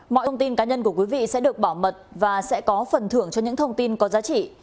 mọi thông tin cá nhân của quý vị sẽ được bảo mật và sẽ có phần thưởng cho những thông tin có giá trị